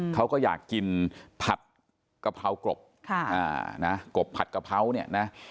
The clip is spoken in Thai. เขาก็อยากกินผัดกะเพรากรบกบผัดกะเพราเนี่ยนะ